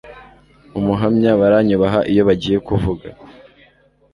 umuhamya baranyubaha iyo bagiye kuvuga